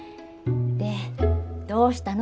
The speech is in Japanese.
でどうしたの？